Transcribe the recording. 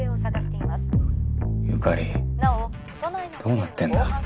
どうなってんだ！？